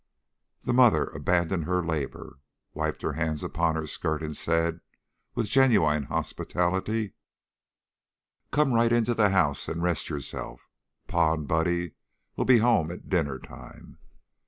The mother abandoned her labor, wiped her hands upon her skirt, and said, with genuine hospitality: "Come right into the house and rest yourself. Pa and Buddy'll be home at dinner time."